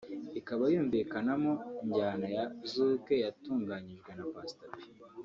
ikaba yumvikanamo njyana ya Zouk yatunganyijwe na Pastor P